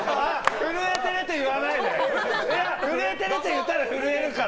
震えてるって言われると震えるから！